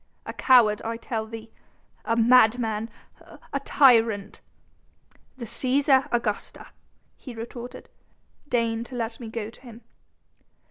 "A coward, I tell thee ... a madman ... a tyrant ..." "The Cæsar, Augusta," he retorted; "deign to let me go to him."